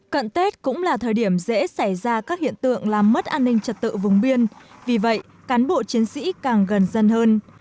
cận tết cũng là thời điểm dễ xảy ra các hiện tượng làm mất an ninh trật tự vùng biên vì vậy cán bộ chiến sĩ càng gần dân hơn